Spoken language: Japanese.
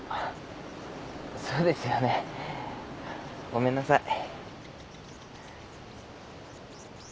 そうですよねごめんなさい。